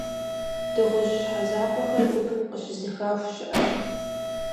Дыгъужь щхьэ закъуэхэр гупым къыщызэхаху щыӏэщ.